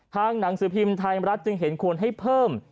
หนังสือพิมพ์ไทยรัฐจึงเห็นควรให้เพิ่ม